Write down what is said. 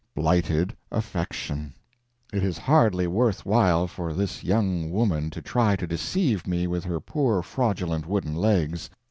Blighted affection. It is hardly worthwhile for this young woman to try to deceive me with her poor fraudulent wooden legs.